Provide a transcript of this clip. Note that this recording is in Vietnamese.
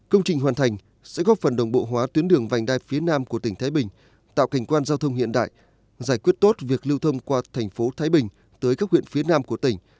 công trình hoàn thành sẽ góp phần đồng bộ hóa tuyến đường vành đai phía nam của tỉnh thái bình tạo cảnh quan giao thông hiện đại giải quyết tốt việc lưu thông qua thành phố thái bình tới các huyện phía nam của tỉnh